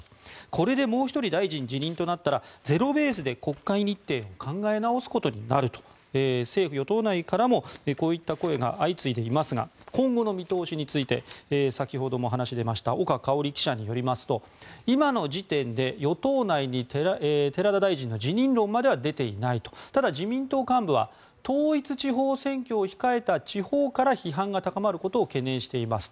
これでもう１人大臣辞任となったらゼロベースで国会日程を考え直すことになると政府・与党内からもこういった声が相次いでいますが今後の見通しについて先ほども話が出ました岡香織記者によりますと今の時点で与党内に寺田大臣の辞任論までは出ていないただ、自民党幹部は統一地方選挙を控えた地方から批判が高まることを懸念しています